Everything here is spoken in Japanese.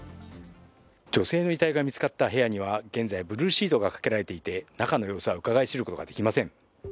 女性の遺体が見つかった部屋には現在ブルーシートがかけられていて中の様子をうかがい知ることができません。